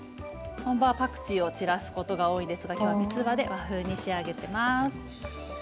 本場はパクチーを散らすことが多いんですが今日はみつばで和風に仕上げていきます。